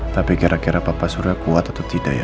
tapi kira kira papa sudah kuat atau tidak ya